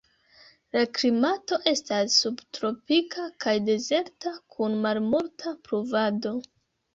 La klimato estas subtropika kaj dezerta, kun malmulta pluvado.